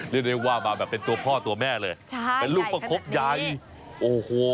เรียกได้ว่ามาแบบเป็นตัวพ่อตัวแม่เลยใช่เป็นลูกประคบใหญ่โอ้โห